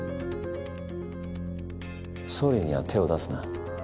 総理には手を出すな。